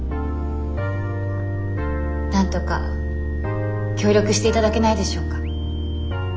なんとか協力して頂けないでしょうか？